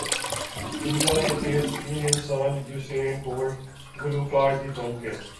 دنیا کے تیز ترین انسان یوسین بولٹ گلو کار بھی بن گئے